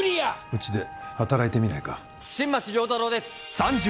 うちで働いてみないか？